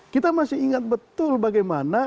kita masih ingat betul bagaimana